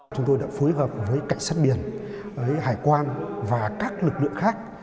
chúng tôi đã phối hợp với cảnh sát biển hải quan và các lực lượng khác